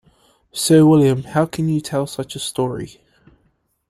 Sir William, how can you tell such a story?